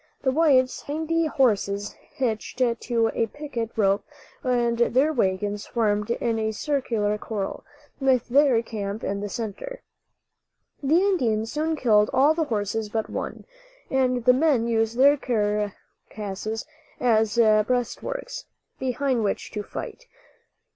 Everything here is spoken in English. The whites had ninety horses hitched to a picket rope and their wagons formed in a circular corral, with their camp in the center. The Indians soon killed all the horses but one, and the men used their carcasses as breastworks, behind which to fight.